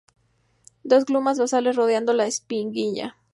Dos glumas basales rodeando a la espiguilla.